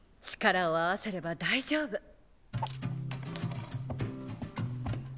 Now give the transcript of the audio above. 力を合わせれば大丈夫！